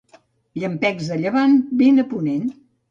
Llampecs a llevant, vent a ponent.